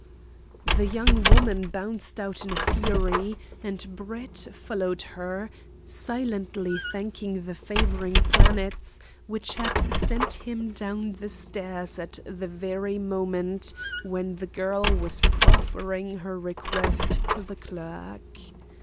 The young woman bounced out in a fury, and Brett followed her, silently thanking the favouring planets which had sent him down the stairs at the very moment when the girl was proffering her request to the clerk.